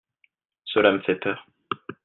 cela me fait peur.